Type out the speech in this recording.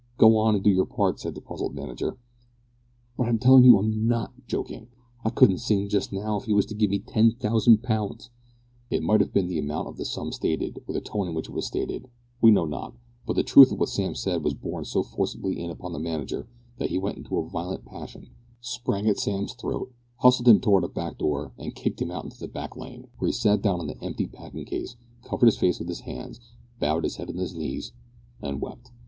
Go on and do your part," said the puzzled manager. "But I tell you I'm not joking. I couldn't sing just now if you was to give me ten thousand pounds!" It might have been the amount of the sum stated, or the tone in which it was stated we know not but the truth of what Sam said was borne so forcibly in upon the manager, that he went into a violent passion; sprang at Sam's throat; hustled him towards a back door, and kicked him out into a back lane, where he sat down on an empty packing case, covered his face with his hands, bowed his head on his knees, and wept.